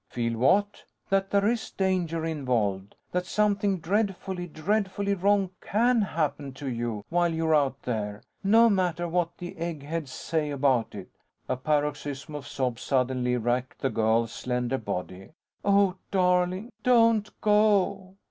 "Feel what?" "That there is danger involved. That something dreadfully, dreadfully wrong can happen to you while you're out there. No matter what the eggheads say about it." A paroxysm of sobs suddenly racked the girl's slender body. "Oh, darling, don't go!"